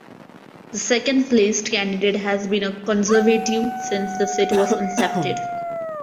The second-placed candidate has been a Conservative since the seat was incepted.